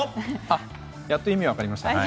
あっやっと意味分かりました。